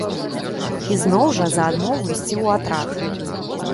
Ізноў жа за адмову ісці ў атрад.